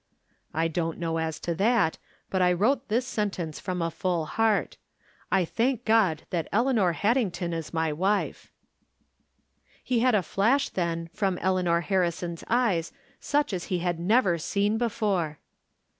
" I don't know as to that, but I wrote this sen tence from a full heart :' I thank God that Elea nor Haddington is my wife.' " He had a flash, then, from Eleanor Harrison's eyes such as he had never seen before.